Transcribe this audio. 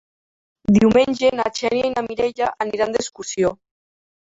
Diumenge na Xènia i na Mireia aniran d'excursió.